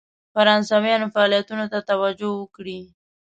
فرانسویانو فعالیتونو ته توجه وکړي.